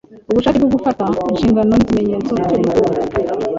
Ubushake bwo gufata inshingano ni ikimenyetso cyo gukura.